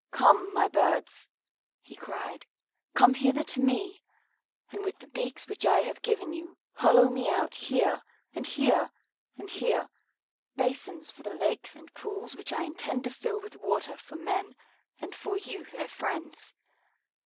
Come, my birds," He cried, "come hither to me, and with the beaks which I have given you hollow me out here, and here, and here, basins for the lakes and pools which I intend to fill with water for men and for you, their friends.